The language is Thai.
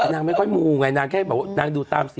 นางไม่ค่อยมูไงนางแค่แบบว่านางดูตามสิ